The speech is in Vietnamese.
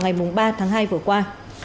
ngày ba tháng hai vừa qua